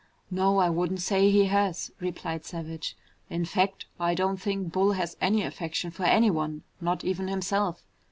"No, I wouldn't say he has," replied Savage. "In fact, I don't think Bull has any affection for anyone, not even himself.